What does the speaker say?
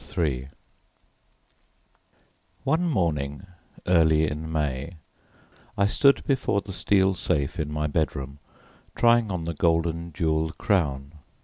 III One morning early in May I stood before the steel safe in my bedroom, trying on the golden jewelled crown.